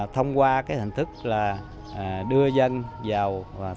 thông qua cái hành thức là đưa dân vào